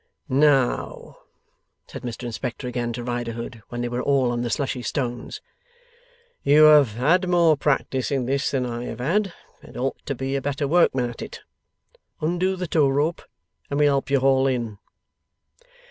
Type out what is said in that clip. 'Now,' said Mr Inspector, again to Riderhood, when they were all on the slushy stones; 'you have had more practice in this than I have had, and ought to be a better workman at it. Undo the tow rope, and we'll help you haul in.